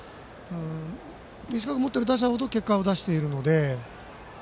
短く持っている打者程結果を出しているので。